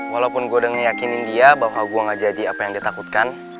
walaupun gue udah ngeyakinin dia bahwa gue gak jadi apa yang ditakutkan